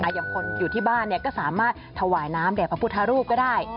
อย่างคนอยู่ที่บ้านก็สามารถถวายน้ำแด่พระพุทธรูปก็ได้